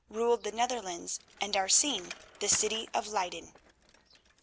ruled the Netherlands, and our scene the city of Leyden.